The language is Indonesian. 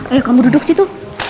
ayo kamu duduk situ